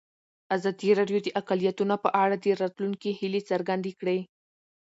ازادي راډیو د اقلیتونه په اړه د راتلونکي هیلې څرګندې کړې.